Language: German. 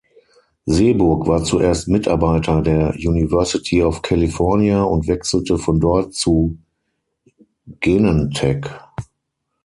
Seeburg war zuerst Mitarbeiter der University of California und wechselte von dort zu Genentech.